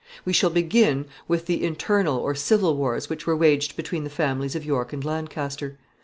We shall begin with the internal or civil wars which were waged between the families of York and Lancaster.